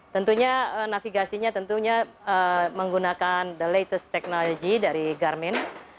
tentunya navigasinya tentunya menggunakan the latest technology dari garmin